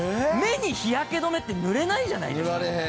目に日焼け止めって塗れないじゃないですか。